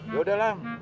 ya udah ram